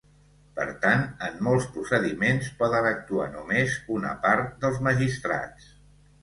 Per tant, en molts procediments poden actuar només una part dels magistrats.